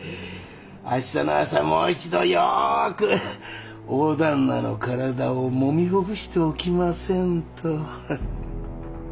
明日の朝もう一度よく大旦那の体をもみほぐしておきませんと。